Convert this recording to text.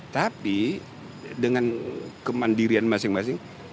tapi dengan kemandirian masing masing